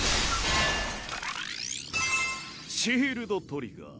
シールド・トリガー。